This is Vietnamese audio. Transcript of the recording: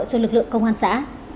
cho lực lượng công an xã